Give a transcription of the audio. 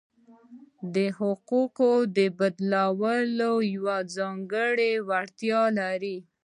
حقوق د بدلېدو یوه ځانګړې وړتیا لري.